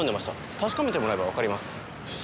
確かめてもらえばわかります。